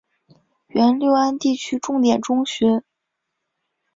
原六安地区重点中学。